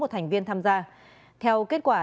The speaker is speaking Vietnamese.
một thành viên tham gia theo kết quả